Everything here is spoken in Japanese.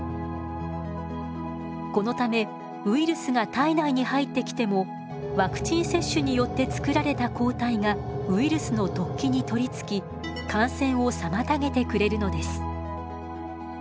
このためウイルスが体内に入ってきてもワクチン接種によってつくられた抗体がウイルスの突起に取りつき感染を妨げてくれるのです。